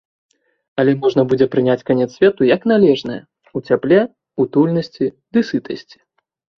Але можна будзе прыняць канец свету, як належнае, у цяпле, утульнасці ды сытасці.